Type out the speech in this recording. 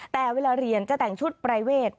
แต่เวลาเรียนจะแต่งชุดปรายเวท